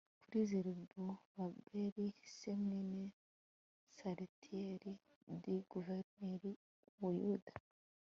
kuri Zerubabeli c mwene Salatiyeli d guverineri w u Buyuda